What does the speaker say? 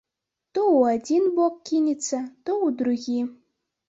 То ў адзін бок кінецца, то ў другі.